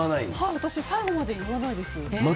私、最後まで言わないです。